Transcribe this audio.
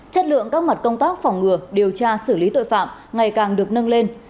chất lượng các mặt công tác phòng ngừa điều tra xử lý tội phạm ngày càng được nâng lên